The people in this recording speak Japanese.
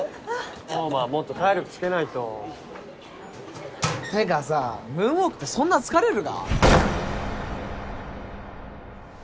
刀磨はもっと体力つけないと。ってかさムーンウォークってそんな疲れるか？